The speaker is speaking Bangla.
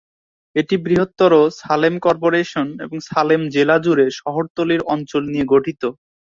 এটি বৃহত্তর সালেম কর্পোরেশন এবং সালেম জেলা জুড়ে শহরতলির অঞ্চল নিয়ে গঠিত।